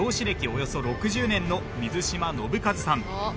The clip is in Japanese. およそ６０年の水島信一さん。